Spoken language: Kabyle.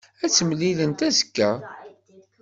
Ad t-mlilent azekka.